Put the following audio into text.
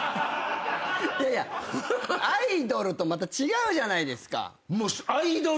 いやいやアイドルとまた違うじゃないですか。